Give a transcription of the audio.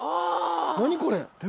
何これ？